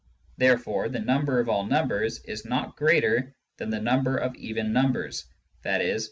Therefore the number of all numbers is not greater than the number of even numbers, i.e.